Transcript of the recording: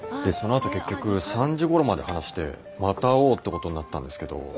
でそのあと結局３時ごろまで話してまた会おうってことになったんですけど。